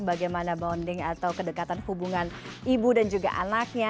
bagaimana bonding atau kedekatan hubungan ibu dan juga anaknya